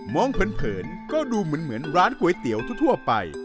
เผินก็ดูเหมือนร้านก๋วยเตี๋ยวทั่วไป